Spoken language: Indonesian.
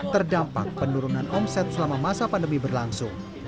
terdampak penurunan omset selama masa pandemi berlangsung